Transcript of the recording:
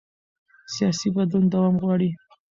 سیاسي بدلون دوام غواړي